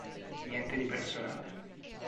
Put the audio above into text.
Niente di personale